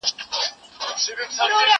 ایا ته اوبه څښې،